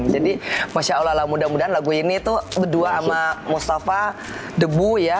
jadi masya allah lah mudah mudahan lagu ini tuh berdua sama mustafa debu ya